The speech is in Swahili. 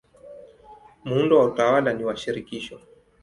Muundo wa utawala ni wa shirikisho.